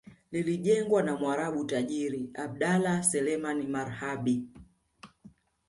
Lilijengwa na mwarabu tajiri Abdallah Selemani Marhabi